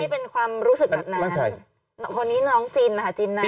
เป็นความรู้สึกแบบนั้นคนนี้น้องจินนะคะจินนะ